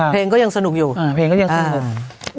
ก็ยังสนุกอยู่เพลงก็ยังสงบ